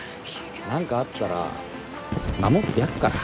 何かあったら守ってやっから。